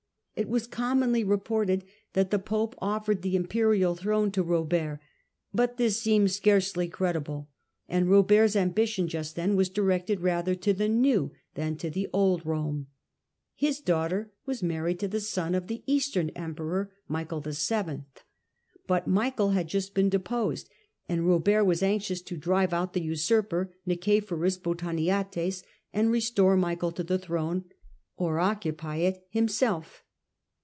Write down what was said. It was commonly reported that the pope offered the imperial throne to Robert, but this seems scarcely credible, and Robert's ambition just then was directed rather to the new than to the old Rome. His daughter was married to the son of the Eastern emperor Michael VII. ; but Michael had just been deposed, and Robert was anxious to drive out the usurper, Nicephoms Botaniates, and restore Michael to the throne, or occupy it himself.